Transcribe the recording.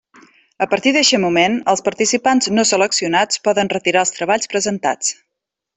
A partir d'eixe moment, els participants no seleccionats poden retirar els treballs presentats.